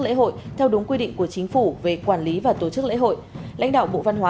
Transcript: lễ hội theo đúng quy định của chính phủ về quản lý và tổ chức lễ hội lãnh đạo bộ văn hóa